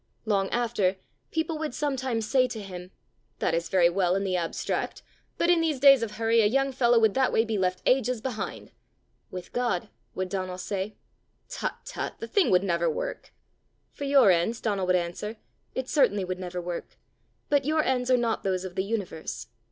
Long after, people would sometimes say to him "That is very well in the abstract; but in these days of hurry a young fellow would that way be left ages behind!" "With God," would Donal say. "Tut, tut! the thing would never work!" "For your ends," Donal would answer, "it certainly would never work; but your ends are not those of the universe!"